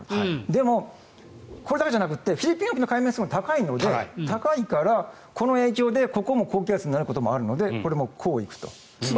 でも、これだけじゃなくてフィリピン沖の海面水温が高いので高いからこの影響でここも高気圧になることもあるので、これもこういくと。